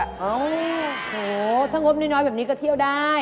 โอ้โหถ้างบน้อยแบบนี้ก็เที่ยวได้